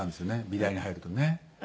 美大に入るとね。